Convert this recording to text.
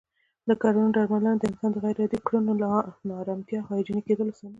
د کړنو درملنه د انسان غیر عادي کړنو، ناآرامتیا او هیجاني کیدلو سمون